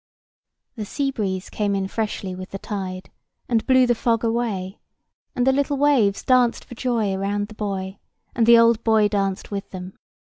[Picture: The old bouy] The sea breeze came in freshly with the tide and blew the fog away; and the little waves danced for joy around the buoy, and the old buoy danced with them.